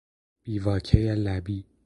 بی واکهی لبی